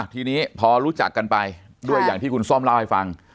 ทีนี้พอรู้จักกันไปด้วยอย่างที่คุณส้มเล่าให้ฟัง